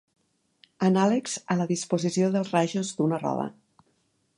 Anàlegs a la disposició dels rajos d'una roda.